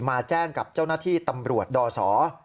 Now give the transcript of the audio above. มาแจ้งกับเจ้านาธิตำรวจด่อสอ